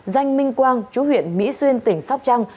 danh minh quang chú huyện mỹ xuyên tỉnh sóc trăng